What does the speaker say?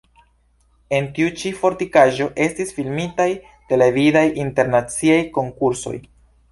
En tiu ĉi fortikaĵo estis filmitaj televidaj internaciaj konkursoj.